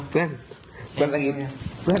เพื่อนสะกิดเอาเพื่อน